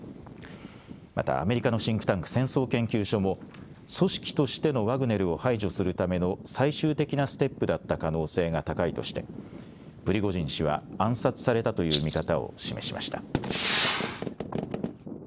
またアメリカのシンクタンク戦争研究所も組織としてのワグネルを排除するための最終的なステップだった可能性が高いとしてプリゴジン氏は暗殺されたという見方を示しました。